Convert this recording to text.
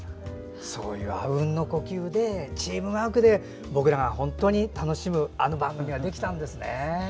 そういう、あうんの呼吸でチームワークで僕らが本当に楽しむあの番組ができたんですね。